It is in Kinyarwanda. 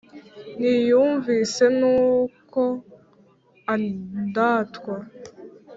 Ntiwumvise n'ukwo andatwa,